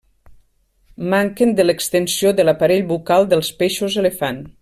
Manquen de l'extensió de l'aparell bucal dels peixos elefant.